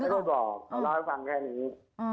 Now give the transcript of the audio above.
ไม่ค่อยบอกเขาเล่าให้ฟังแค่นี้